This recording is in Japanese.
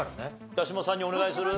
八嶋さんにお願いする？